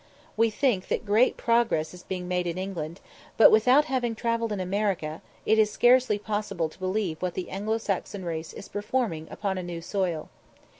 We think that great progress is being made in England, but, without having travelled in America, it is scarcely possible to believe what the Anglo Saxon race is performing upon a new soil.